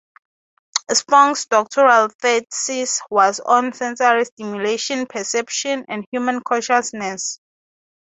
Spong's doctoral thesis was on sensory stimulation, perception, and human consciousness.